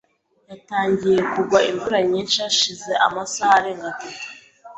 Yatangiye kugwa imvura nyinshi hashize amasaha arenga atatu .